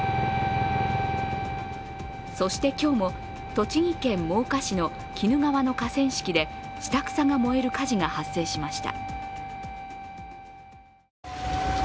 そして、今日も栃木県真岡市の鬼怒川の河川敷で下草が燃える火事が発生しました。